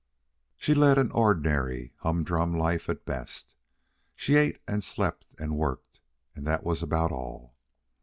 She led an ordinary, humdrum life at best. She ate and slept and worked, and that was about all.